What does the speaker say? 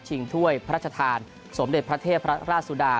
ชิงถ้วยพระชธานสมเด็จพระเทพราสุดา